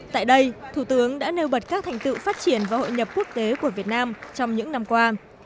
tại đây thủ tướng đã nêu bật các thành tựu phát triển và hội nhập quốc tế của việt nam trong những năm qua